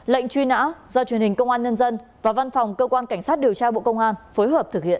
lệnh truy nã do truyền hình công an nhân dân và văn phòng cơ quan cảnh sát điều tra bộ công an phối hợp thực hiện